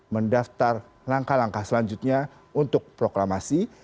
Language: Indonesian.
mendaftar langkah langkah selanjutnya untuk proklamasi